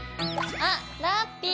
あっラッピィ！